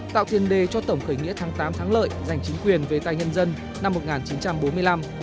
tạo tiền đề cho tổng khởi nghĩa tháng tám thắng lợi giành chính quyền về tài nhân dân năm một nghìn chín trăm bốn mươi năm